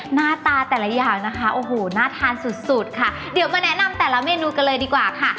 หน้าตาแต่ละอย่างนะคะโอ้โหน่าทานสุดสุดค่ะเดี๋ยวมาแนะนำแต่ละเมนูกันเลยดีกว่าค่ะ